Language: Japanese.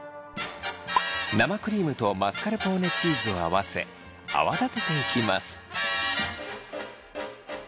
生クリームとマスカルポーネチーズを合わせ泡立てていきます。